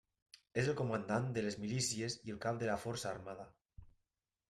És el comandant de les milícies i el cap de la força armada.